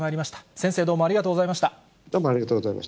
先生、どうもありがとうございま